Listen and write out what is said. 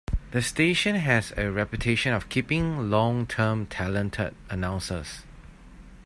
The station has a reputation of keeping long term talented announcers.